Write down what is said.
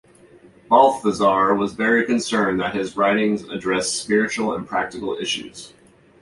Balthasar was very concerned that his writings address spiritual and practical issues.